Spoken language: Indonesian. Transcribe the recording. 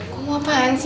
kok mau apaan sih